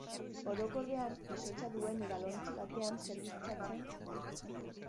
Orokorrean izotza duen edalontzi batean zerbitzatzen da.